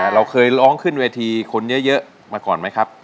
เราเคยร้องขึ้นเวทีคนเยอะมาก่อนไหมครับ